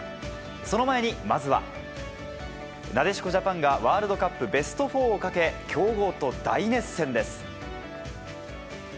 その前に、まずはなでしこジャパンがワールドカップベスト４をかけ強豪と大熱戦です。